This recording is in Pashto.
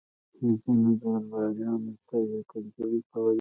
ځينو درباريانو ته يې کنځلې کولې.